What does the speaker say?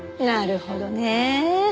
なるほどねえ。